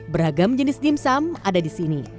beragam jenis dimsum ada di sini